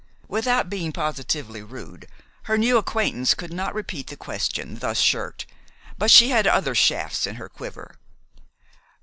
Without being positively rude, her new acquaintance could not repeat the question thus shirked. But she had other shafts in her quiver.